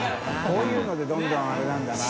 こういうのでどんどんあれなんだな。